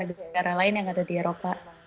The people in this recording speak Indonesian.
karena negara lain yang ada di eropa